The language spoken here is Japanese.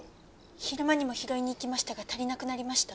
昼間にも拾いに行きましたが足りなくなりました。